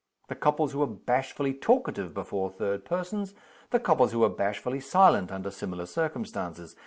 The couples who are bashfully talkative before third persons; the couples who are bashfully silent under similar circumstances.